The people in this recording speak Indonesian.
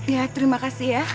ya terima kasih ya